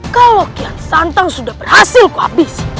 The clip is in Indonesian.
kalau kiam santam sudah berhasil ku habisi